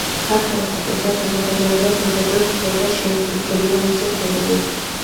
ქართველ მხატვართა საზოგადოება დროდადრო ცდილობდა შეემსუბუქებინა მისი ხვედრი.